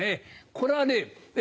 これはね